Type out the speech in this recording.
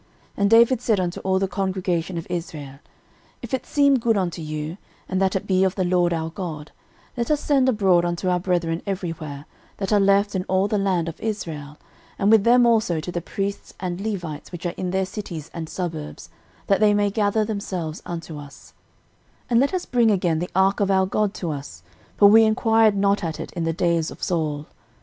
13:013:002 And David said unto all the congregation of Israel, If it seem good unto you, and that it be of the LORD our God, let us send abroad unto our brethren every where, that are left in all the land of Israel, and with them also to the priests and Levites which are in their cities and suburbs, that they may gather themselves unto us: 13:013:003 And let us bring again the ark of our God to us: for we enquired not at it in the days of Saul.